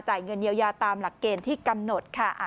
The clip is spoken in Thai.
เงินเยียวยาตามหลักเกณฑ์ที่กำหนดค่ะ